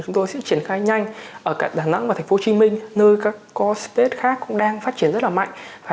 chúng tôi sẽ triển khai nhanh ở cả đà nẵng và thành phố hồ chí minh nơi các core space khác cũng đang phát triển rất là mạnh